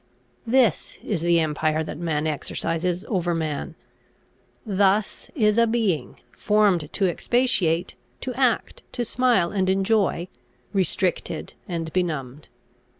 This is the empire that man exercises over man. Thus is a being, formed to expatiate, to act, to smile, and enjoy, restricted and benumbed.